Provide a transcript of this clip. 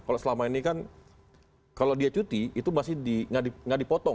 kalau selama ini kan kalau dia cuti itu masih nggak dipotong